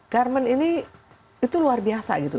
garmen ini itu luar biasa gitu